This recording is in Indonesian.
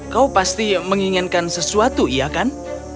kau pasti menginginkan sesuatu iya kan